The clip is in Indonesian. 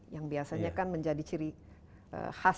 yang biasanya kan menjadi ciri khas